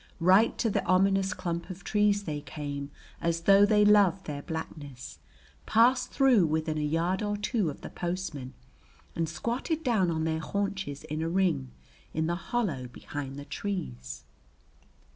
Right to the ominous clump of trees they came as though they loved their blackness, passed through within a yard or two of the postman and squatted down on their haunches in a ring in the hollow behind the trees.